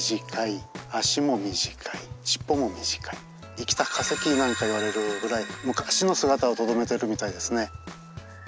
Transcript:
生きた化石なんかいわれるぐらい昔の姿をとどめてるみたいですね。